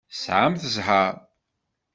Tesɛamt zzheṛ.